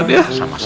makasih pak d